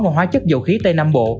và hóa chất dầu khí tây nam bộ